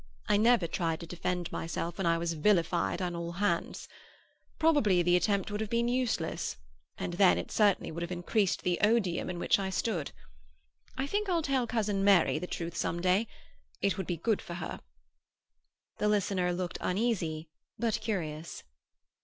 I never tried to defend myself when I was vilified on all hands. Probably the attempt would have been useless; and then it would certainly have increased the odium in which I stood. I think I'll tell cousin Mary the truth some day; it would be good for her." The listener looked uneasy, but curious.